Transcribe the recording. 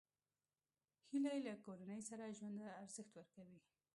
هیلۍ له کورنۍ سره ژوند ته ارزښت ورکوي